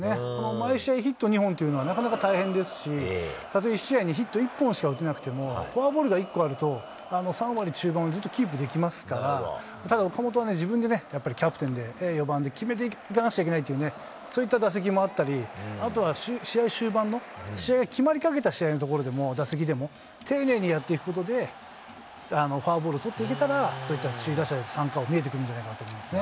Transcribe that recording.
毎試合ヒット２本というのはなかなか大変ですし、たとえ１試合にヒット１本しか打てなくても、フォアボールが１個あると３割中盤をずっとキープできますから、ただ、岡本はね、自分でね、やっぱりキャプテンで、４番で決めていかなくちゃいけないという、そういった打席もあったり、あとは試合終盤の、試合が決まりかけた試合のところでも、打席でも、丁寧にやっていくことで、フォアボールを取っていけたら、そういった首位打者で三冠王、見えてくるんじゃないかなと思いますね。